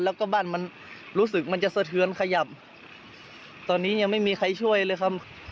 แล้วก็บ้านมันรู้สึกมันจะสะเทือนขยับตอนนี้ยังไม่มีใครช่วยเลยครับ